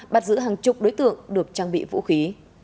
bắt giữ hàng chục đối tượng được trang bị vũ khí